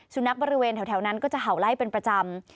นักบริเวณแถวนั้นก็จะเห่าไล่เป็นประจำ